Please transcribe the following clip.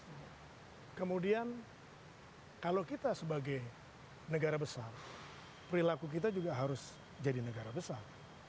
lalu kemudian kalau kita sebagai negara besar perilaku kita harus juga jadi negara besar